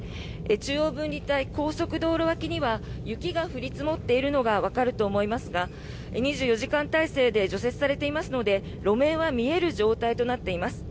中央分離帯、高速道路脇には雪が降り積もっているのがわかるかと思いますが２４時間体制で除雪されていますので路面は見える状態となっています。